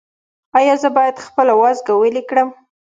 ایا زه باید خپل وازګه ویلې کړم؟